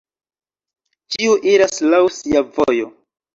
Ĉiu iras laŭ sia vojo!